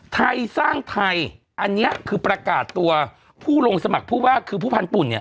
ไทยสร้างไทยอันนี้คือประกาศตัวผู้ลงสมัครผู้ว่าคือผู้พันธุ่นเนี่ย